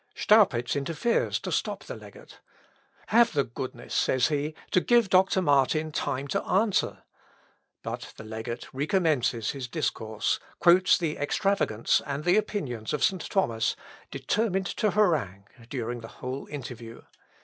Staupitz interferes to stop the legate. "Have the goodness," says he, "to give Doctor Martin time to answer." But the legate recommences his discourse, quotes the extravagants and the opinions of St. Thomas, determined to harangue during the whole interview.